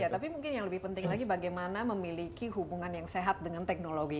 tapi mungkin yang lebih penting lagi bagaimana memiliki hubungan yang sehat dengan teknologi